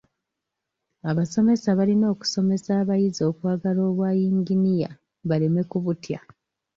Abasomesa balina okusomesa abayizi okwagala obwa yinginiya baleme kubutya.